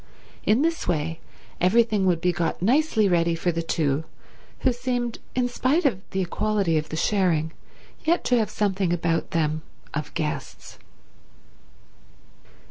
In this way everything would be got nicely ready for the two who seemed, in spite of the equality of the sharing, yet to have something about them of guests.